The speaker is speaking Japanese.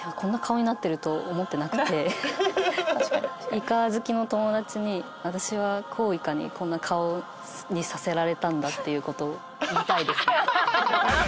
イカ好きの友達に私はコウイカにこんな顔にさせられたんだっていう事を言いたいです。